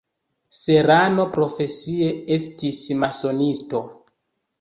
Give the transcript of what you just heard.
Serrano profesie estis masonisto.